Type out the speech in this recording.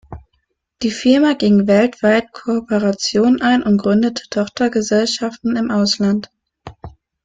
Die Firma ging weltweit Kooperationen ein und gründete Tochtergesellschaften im Ausland.